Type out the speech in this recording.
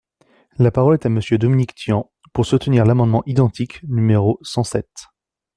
La parole est à Monsieur Dominique Tian, pour soutenir l’amendement identique numéro cent sept.